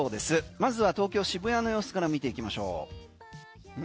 まずは東京・渋谷の様子から見ていきましょう。